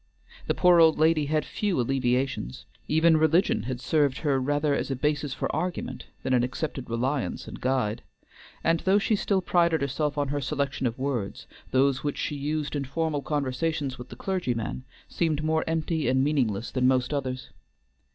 The poor old lady had few alleviations; even religion had served her rather as a basis for argument than an accepted reliance and guide; and though she still prided herself on her selection of words, those which she used in formal conversations with the clergyman seemed more empty and meaningless than most others.